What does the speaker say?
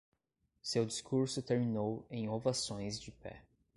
Seu discurso terminou em ovações de pé.